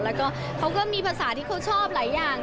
แล้วก็เขาก็มีภาษาที่เขาชอบหลายอย่าง